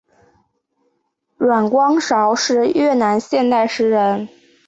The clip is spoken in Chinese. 阮光韶是越南现代诗人。